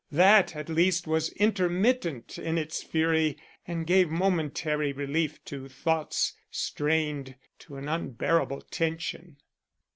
That, at least, was intermittent in its fury and gave momentary relief to thoughts strained to an unbearable tension.